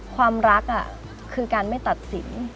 ความรักคือการไม่ตัดสิน